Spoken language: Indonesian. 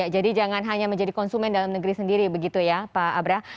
jadi jangan hanya menjadi konsumen dalam negeri sendiri begitu ya pak abra